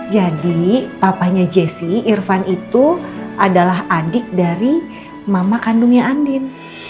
jadi papanya jessi irfan itu adalah adik dari mama kandungnya andin